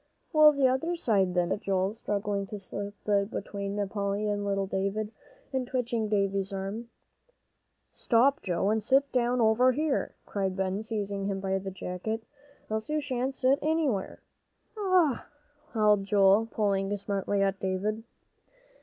"Well, the other side, then," said Joel, struggling to slip in between Polly and little David, and twitching Davie's arm. "Stop, Joe, and sit down over here," cried Ben, seizing him by the jacket, "else you shan't sit anywhere." "Ow!" howled Joel, pulling smartly at David.